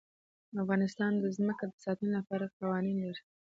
افغانستان د ځمکه د ساتنې لپاره قوانین لري.